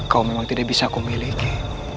kau memang tidak bisa aku miliki